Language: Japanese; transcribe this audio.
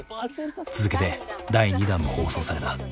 続けて第２弾も放送された。